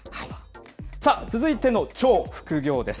さあ、続いての超副業です。